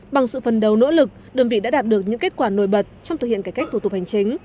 bằng sự phần đầu nỗ lực đơn vị đã đạt được những kết quả nổi bật trong thực hiện cải cách thủ tục hành chính